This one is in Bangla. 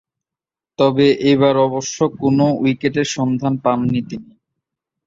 তবে, এবার অবশ্য কোন উইকেটের সন্ধান পাননি তিনি।